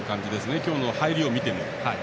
今日の入りを見ても。